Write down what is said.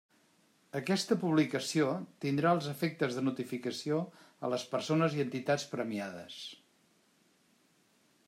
Aquesta publicació tindrà els efectes de notificació a les persones i entitats premiades.